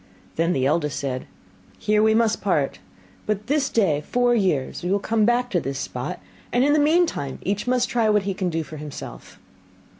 Then the eldest said, 'Here we must part; but this day four years we will come back to this spot, and in the meantime each must try what he can do for himself.